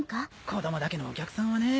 子供だけのお客さんはね。